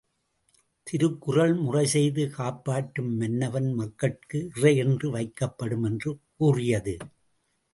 திருக்குறள் முறைசெய்து காப்பாற்றும் மன்னவன் மக்கட்கு இறையென்று வைக்கப் படும் என்று கூறியது.